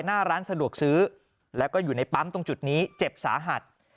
หน้าร้านสะดวกซื้อแล้วก็อยู่ในปั๊มตรงจุดนี้เจ็บสาหัส